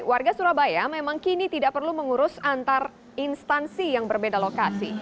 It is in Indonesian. warga surabaya memang kini tidak perlu mengurus antar instansi yang berbeda lokasi